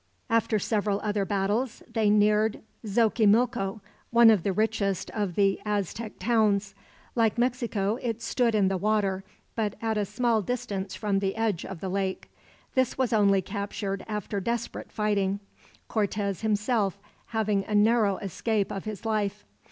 After several other battles they neared Xochimilco, one of the richest of the Aztec towns. Like Mexico, it stood in the water, but at a small distance from the edge of the lake. This was only captured after desperate fighting, Cortez himself having a narrow escape of his life.